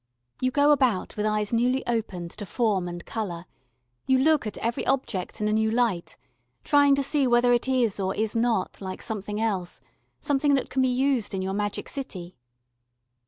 You go about with eyes newly opened to form and colour: you look at every object in a new light, trying to see whether it is or is not like something else something that can be used in your magic city.